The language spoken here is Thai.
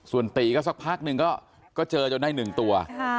ส่วนตีก็สักพักหนึ่งก็เจอจนได้๑ตัว